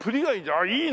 「あっいいね！」